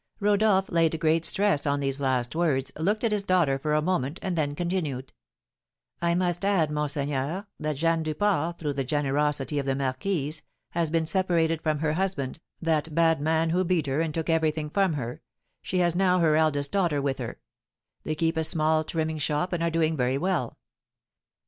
Rodolph laid great stress on these last words, looked at his daughter for a moment, and then continued: "I must add, monseigneur, that Jeanne Duport, through the generosity of the marquise, has been separated from her husband, that bad man who beat her and took everything from her; she has now her eldest daughter with her: they keep a small trimming shop, and are doing very well.